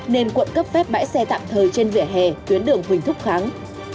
nên quận cấp phép bãi xe tạm thời trên vỉa hè tuyến đường huỳnh thúc kháng